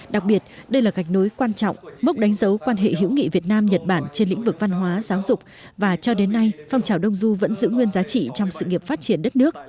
đặc biệt đây là gạch nối quan trọng mốc đánh dấu quan hệ hữu nghị việt nam nhật bản trên lĩnh vực văn hóa giáo dục và cho đến nay phong trào đông du vẫn giữ nguyên giá trị trong sự nghiệp phát triển đất nước